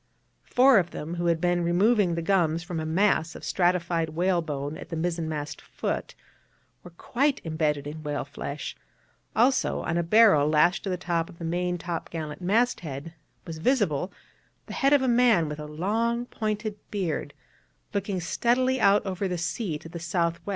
Four of them, who had been removing the gums from a mass of stratified whalebone at the mizzen mast foot, were quite imbedded in whale flesh; also, in a barrel lashed to the top of the main top gallant masthead was visible the head of a man with a long pointed beard, looking steadily out over the sea to the S.W.